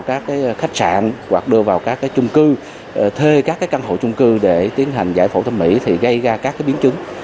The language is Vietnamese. các khách sạn hoặc đưa vào các cái chung cư thê các cái căn hộ chung cư để tiến hành giải phẫu thuật thẩm mỹ thì gây ra các cái biến chứng